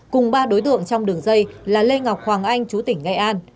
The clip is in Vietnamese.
cùng ba đối tượng trong đường dây là lê ngọc hoàng anh chú tỉnh nghệ an